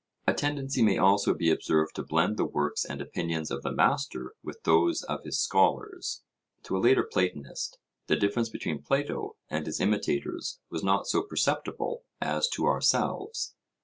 A tendency may also be observed to blend the works and opinions of the master with those of his scholars. To a later Platonist, the difference between Plato and his imitators was not so perceptible as to ourselves.